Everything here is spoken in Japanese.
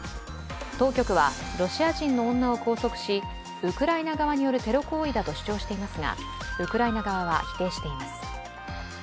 当局はロシア人の女を拘束しウクライナ側によるテロ行為だと主張していますが、ウクライナ側は否定しています。